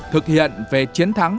thực hiện về chiến thắng